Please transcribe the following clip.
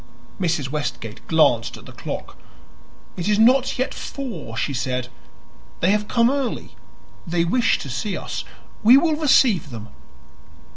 Mrs. Westgate glanced at the clock. "It is not yet four," she said; "they have come early; they wish to see us. We will receive them."